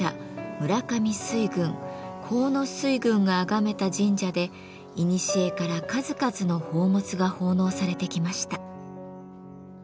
村上水軍河野水軍があがめた神社でいにしえから数々の宝物が奉納されてきました。